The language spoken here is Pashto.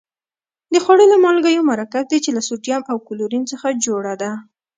د خوړلو مالګه یو مرکب دی چې له سوډیم او کلورین څخه جوړه ده.